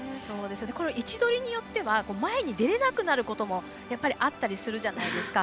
位置取りによっては前に出られなくなることもやっぱりあったりするじゃないですか。